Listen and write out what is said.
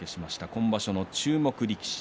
今場所の注目力士